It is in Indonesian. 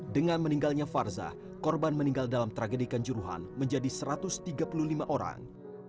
dengan meninggalnya farzah korban meninggal dalam tragedi kanjuruhan menjadi satu ratus tiga puluh lima orang